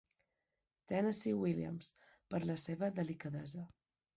Tennessee Williams, per la seva delicadesa.